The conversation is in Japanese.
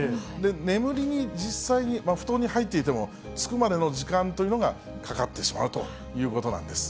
眠りに実際に布団に入っていても、寝つくまでの時間というのがかかってしまうということなんです。